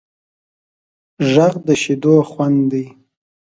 غږ د شیدو خوند دی